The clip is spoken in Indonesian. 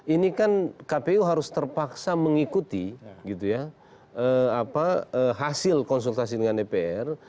ini kan kpu harus terpaksa mengikuti hasil konsultasi dengan dpr